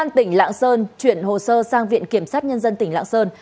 công an tỉnh lạng sơn chuyển hồ sơ sang viện kiểm soát nhân dân tỉnh lạng sơn